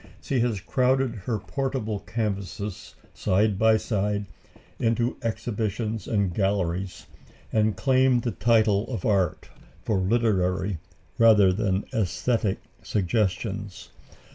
She has crowded her portable canvases, side by side, into exhibitions and galleries, and claimed the title of art for literary rather than æsthetic suggestions.